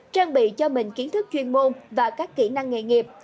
trang bị cho mình kiến thức chuyên môn và các kỹ năng nghề nghiệp